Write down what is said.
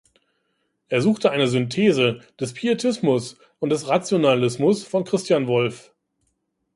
Er suchte eine Synthese des Pietismus und des Rationalismus von Christian Wolff.